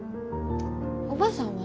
おばあさんは？